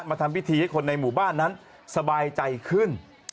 ทำพิธีให้คนในหมู่บ้านนั้นสบายใจขึ้น